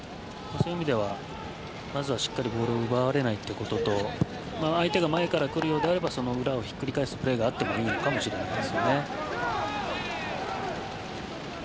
そういう意味ではまず、しっかりボールを奪われないことと相手が前から来るようであればその裏をひっくり返すプレーがあってもいいかもしれません。